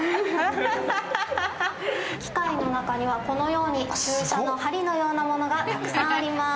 機械の中にはこのように注射のようなものがたくさんあります。